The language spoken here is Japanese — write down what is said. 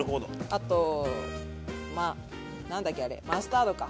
あとまあ何だっけあれマスタードか。